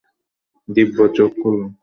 দিব্যা, চোখ খুলো।